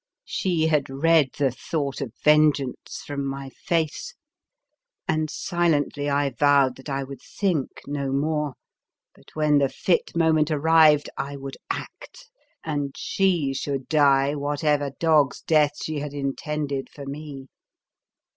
She had read the thought of ven geance from my face, and silently I vowed I would think no more; but, 79 The Fearsome Island when the fit moment arrived, I would act, and she should die whatever dog's death she had intended for me.